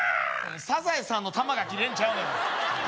サザエさんのタマがキレるんちゃうのよ